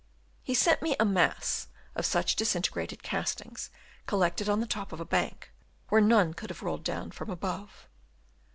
He sent me a mass of such disintegrated castings, collected on the top of a bank, where none could have rolled down from above.